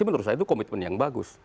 menurut saya itu komitmen yang bagus